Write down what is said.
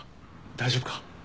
大丈夫か？